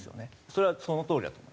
それはそのとおりだと。